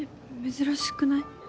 珍しくない？